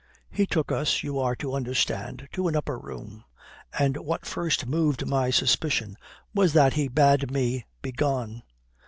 "He took us, you are to understand, to an upper room. And what first moved my suspicion was that he bade me be gone.